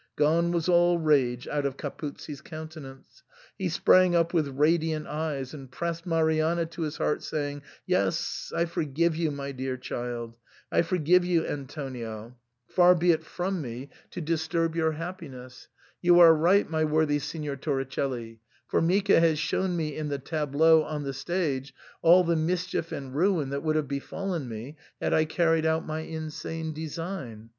Grone was all rage out of Capuzzi *s countenance ; he sprang up with radiant eyes, and pressed Marianna to his heart, saying, " Yes, I forgive you, my dear child ; I forgive you, Antonio. Far be it from me to disturb SIGNOR FORMICA. 165 your happiness. You are right, my worthy Signor Tori celli ; Formica has shown me in the tableau on the stage all the mischief and ruin that would have befallen me had I carried out my insane design.